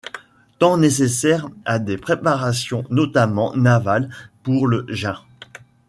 Temps nécessaire à des préparations, notamment navales, pour le Jin.